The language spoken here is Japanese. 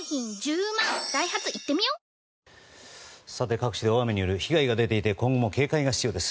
各地で大雨による被害が出ていて今後も警戒が必要です。